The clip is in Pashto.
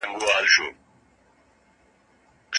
زه نه پوهېږم چې څه وخت پیغام واستوم.